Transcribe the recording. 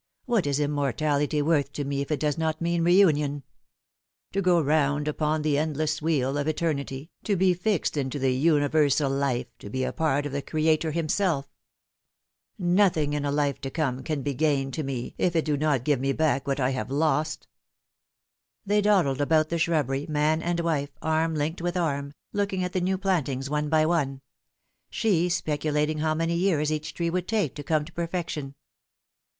" What is immortality worth to me if it does not mean reunion ? To go round upon the endless wheel of eternity, to be fixed into the universal life, to be a part of the Creator Himself ! Nothing in a life to come can be gain to me if it do not give me back what I have lost." They dawdled about the shrubbery, man and wife, arm linked with arm, looking at the new plantings one by one ; she speculating how many years each tree would take to come to per fection.